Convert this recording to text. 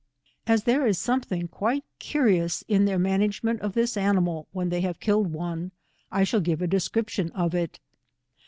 As there is something quite curious in their ma nagement of this animal, when they have killed one, I shall give a description of it.